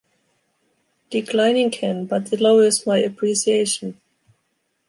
Declining can, but it lowers my appreciation.